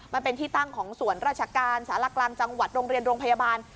มันเป็นที่ตั้งของส่วนราชการสารกลางจังหวัดโรงเรียนโรงพยาบาล